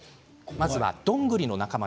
まずは、どんぐりの仲間。